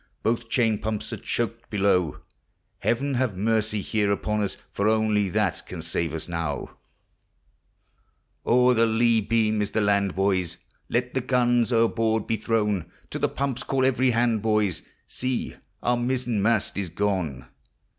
Both chain pumps are choked below : Heaven have mercy here upon us! For onlv that can save us now. 416 POEMS OF NATURE. O'er the lee beain is the land, boys, Let the guns o'erboard be thrown; To the pumps call every hand, boys, See! our mizzen mast is gone.